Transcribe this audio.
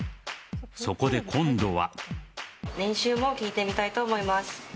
そこで今度は。